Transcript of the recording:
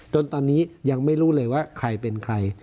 จนตอนนี้ยังไม่รู้เลยว่าใครเป็นใคร